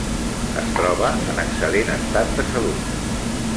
Es troba en excel·lent estat de salut.